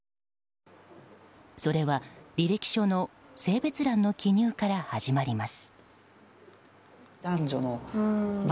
それは、履歴書の性別欄の記入から始まります。